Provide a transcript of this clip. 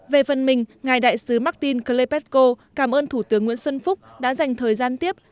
về phần mình ngài đại sứ martin clepesco cảm ơn thủ tướng nguyễn xuân phúc đã dành thời gian tiếp